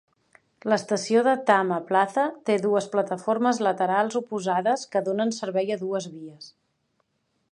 L'estació de Tama Plaza té dues plataformes laterals oposades que donen servei a dues vies.